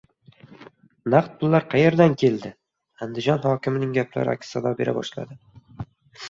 «Naqd pullar qayerdan keldi?» Andijon hokimining gaplari aks-sado bera boshladi...